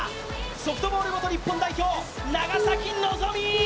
ソフトボール元日本代表長崎望未。